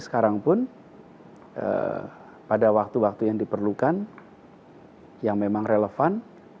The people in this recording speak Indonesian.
sekarang pun pada waktu waktu yang diperlukan yang memang relevan